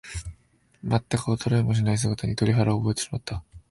まったく衰えもしない姿に、鳥肌を覚えてしまった。